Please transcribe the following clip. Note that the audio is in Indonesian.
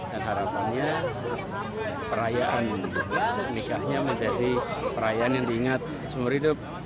dan harapannya perayaan nikahnya menjadi perayaan yang diingat seumur hidup